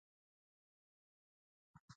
• باد هم د برېښنا د تولید وسیله ده.